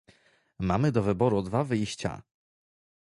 Mamy do wyboru dwa wyjścia